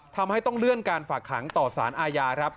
ทำให้ต้องเลื่อนการฝากขังต่อสารอาญาครับ